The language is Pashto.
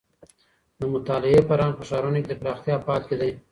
د مطالعې فرهنګ په ښارونو کي د پراختيا په حال کي دی.